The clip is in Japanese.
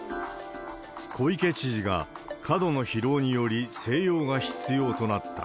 小池知事が過度の疲労により静養が必要となった。